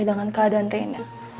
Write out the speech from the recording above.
dengan keadaan reina